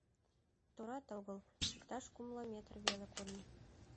Торат огыл — иктаж кумло метр веле кодын.